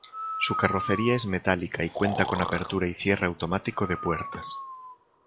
Su carrocería es metálica y cuenta con apertura y cierre automático de puertas.